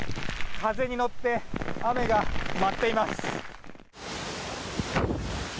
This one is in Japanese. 風に乗って雨が舞っています。